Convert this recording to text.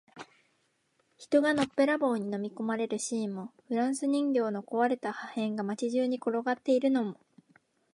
人がのっぺらぼうに飲み込まれるシーンも、フランス人形の壊れた破片が街中に転がっているのも、